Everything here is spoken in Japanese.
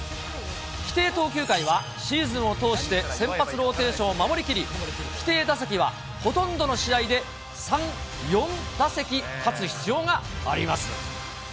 規定投球回は、シーズンを通して先発ローテーションを守りきり、規定打席は、ほとんどの試合で３、４打席立つ必要があります。